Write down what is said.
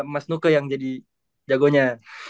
mas nuke yang jadi jagonya